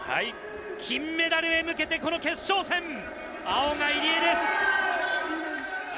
金メダルへ向けてこの決勝戦、青が入江です。